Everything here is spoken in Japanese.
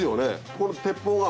ここの鉄砲が。